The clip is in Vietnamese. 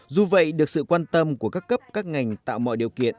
dù vậy được sự quan tâm của các cấp các ngành tạo mọi điều kiện